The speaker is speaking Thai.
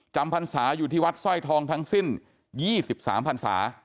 พรรษาอยู่ที่วัดสร้อยทองทั้งสิ้น๒๓พันศา